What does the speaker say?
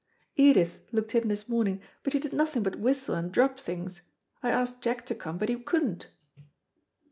Edith looked in this morning, but she did nothing but whistle and drop things. I asked Jack to come, but he couldn't."